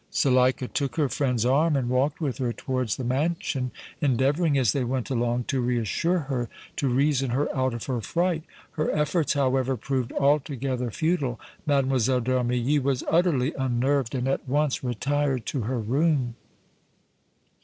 Zuleika took her friend's arm and walked with her towards the mansion, endeavoring as they went along to reassure her, to reason her out of her fright. Her efforts, however, proved altogether futile. Mlle. d' Armilly was utterly unnerved and at once retired to her room.